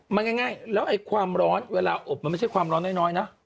มันง่ายแล้วไอ้ความร้อนเวลาอบมันไม่ใช่ความร้อนน้อยนะ